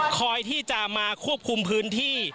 คอยที่จะมาควบคุมพื้นที่